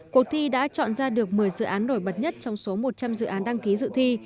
cuộc thi đã chọn ra được một mươi dự án nổi bật nhất trong số một trăm linh dự án đăng ký dự thi